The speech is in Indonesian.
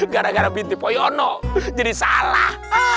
gara gara binti poyono jadi salah